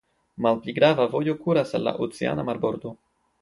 Malpli grava vojo kuras al la oceana marbordo.